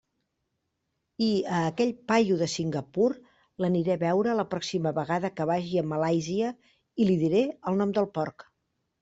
I a aquell paio de Singapur l'aniré a veure la pròxima vegada que vagi a Malàisia i li diré el nom del porc.